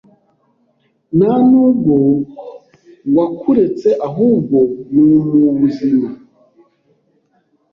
nta nubwo wakuretse ahubwo numubuzima